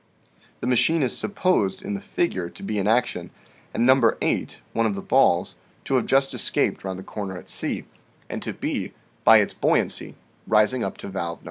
"The machine is supposed (in the figure) to be in action, and No. 8 (one of the balls) to have just escaped round the corner at C, and to be, by its buoyancy, rising up to valve No.